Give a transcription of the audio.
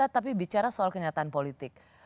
tapi bicara soal kenyataan politik